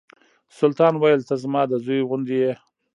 سلطان ویل ته زما د زوی غوندې یې.